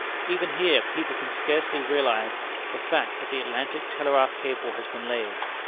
Even here, people can scarcely realize the fact that the Atlantic Telegraph Cable has been laid.